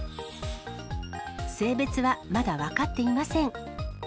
性別はまだ分かっていません。